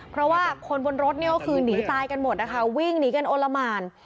เพราะว่าคนบนรถเนี่ยก็คือหนีตายกันหมดนะคะวิ่งหนีกันโอละหมาน